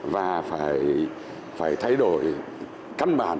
và phải thay đổi cân bằng